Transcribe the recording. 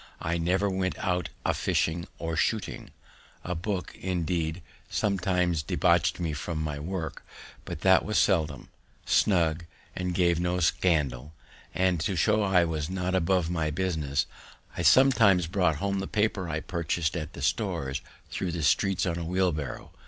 I never went out a fishing or shooting; a book, indeed, sometimes debauch'd me from my work, but that was seldom, snug, and gave no scandal; and, to show that I was not above my business, I sometimes brought home the paper I purchas'd at the stores thro' the streets on a wheelbarrow.